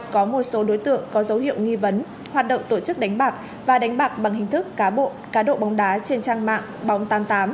có một số đối tượng có dấu hiệu nghi vấn hoạt động tổ chức đánh bạc và đánh bạc bằng hình thức cá độ bóng đá trên trang mạng bóng tám mươi tám